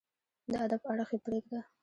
د ادب اړخ يې پرېږده